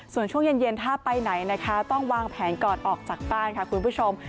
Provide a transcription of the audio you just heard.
ส่วนช่วงเย็นถ้าไปไหนนะคะต้องวางแผนก่อนออกจากบ้านค่ะคุณผู้ชม